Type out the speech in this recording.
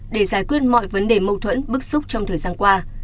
để giải quyết mọi vấn đề mâu thuẫn bức xúc trong thời gian qua